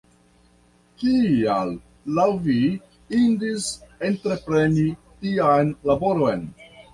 Kial laŭ vi indis entrepreni tian laboron?